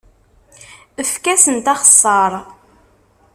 Efk-asent axeṣṣar!